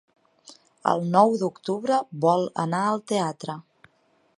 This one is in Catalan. El nou d'octubre vol anar al teatre.